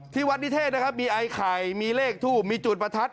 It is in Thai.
ที่วัดนิเทศนะครับมีไอ้ไข่มีเลขทูบมีจุดประทัด